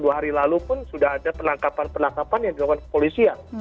dua hari lalu pun sudah ada penangkapan penangkapan yang dilakukan kepolisian